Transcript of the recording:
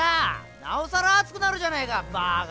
なおさら暑くなるじゃねーかバァカ！